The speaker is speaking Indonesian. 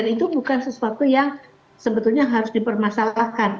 dan itu bukan sesuatu yang sebetulnya harus dipermasalahkan